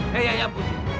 hei ayam putih